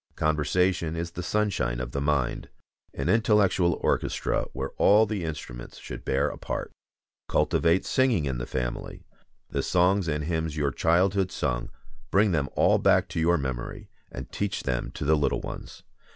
Conversation is the sunshine of the mind, an intellectual orchestra where all the instruments should bear a part. Cultivate singing in the family. The songs and hymns your childhood sung, bring them all back to your memory; and teach them to the little ones.